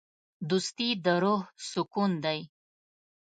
دوستي د روح سکون دی.